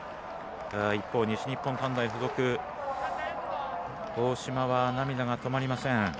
一方、西日本短大付属、大嶋は涙が止まりません。